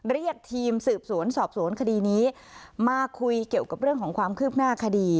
เรียกทีมสืบสวนสอบสวนคดีนี้มาคุยเกี่ยวกับเรื่องของความคืบหน้าคดี